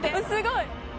すごい。